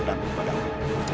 tentu bagi aku